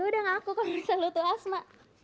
lo udah ngaku kalau bisa lo tuh asma